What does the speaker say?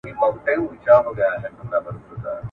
زه مخکي کتابتوننۍ سره وخت تېروولی وو.